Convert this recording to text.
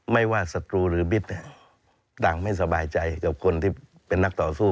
ไม่ว่าศัตรูหรือบิ๊กต่างไม่สบายใจกับคนที่เป็นนักต่อสู้